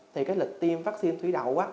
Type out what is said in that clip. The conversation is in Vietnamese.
thì cái lịch tiêm vaccine thủy đậu á